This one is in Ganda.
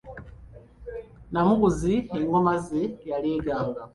Namuguzi engoma ze yaleeganga.